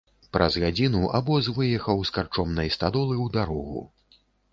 Праз гадзіну абоз выехаў з карчомнай стадолы ў дарогу.